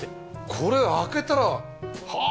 これ開けたらはあ！